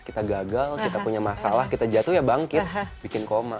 kita gagal kita punya masalah kita jatuh ya bangkit bikin koma